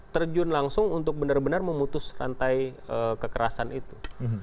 terjun langsung untuk benar benar memutus rantai kekerasan itu